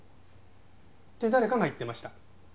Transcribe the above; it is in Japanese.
って誰かが言ってました。